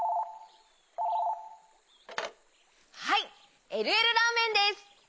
☎はいえるえるラーメンです！